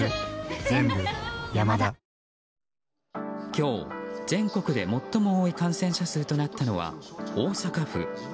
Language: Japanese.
今日、全国で最も多い感染者数となったのは大阪府。